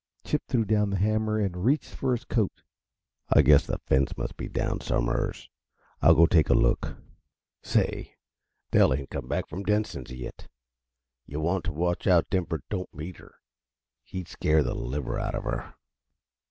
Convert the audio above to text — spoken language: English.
Chip threw down the hammer and reached for his coat. "I guess the fence must be down som'ers. I'll go take a look. Say! Dell ain't come back from Denson's yit. Yuh want t' watch out Denver don't meet her he'd scare the liver out uh her."